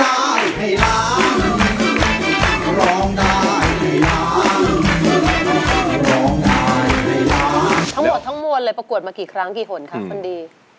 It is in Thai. ทั้งหมดทั้งมวลเลยประกวดมากี่ครั้งกี่หนคะคนดี